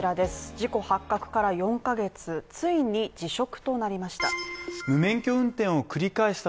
事故発覚から４ヶ月、ついに辞職となりました